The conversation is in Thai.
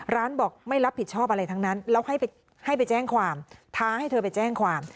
ร้านบอกไม่รับผิดชอบอะไรทั้งนั้นแล้วให้ไปแจ้งความท้าให้เธอไปแจ้งความ